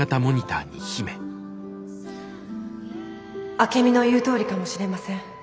「アケミの言うとおりかもしれません」。